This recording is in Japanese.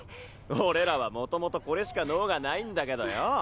俺らは元々これしか能がないんだけどよ！